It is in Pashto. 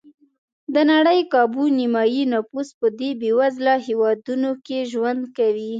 د نړۍ کابو نیمایي نفوس په دې بېوزله هېوادونو کې ژوند کوي.